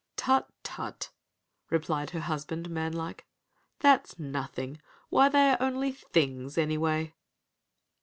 "Tut, tut," replied her husband, man like. "That's nothing. Why they are only things anyway!"